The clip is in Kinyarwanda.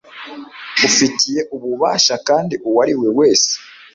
ubifitiye ububasha kandi uwariwe wese